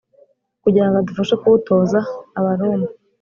kugira ngo adufashe kuwutoza Abaroma